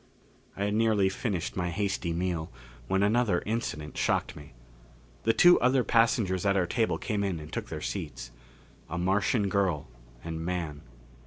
I had nearly finished my hasty meal when another incident shocked me. The two other passengers at our table came in and took their seats. A Martian girl and man.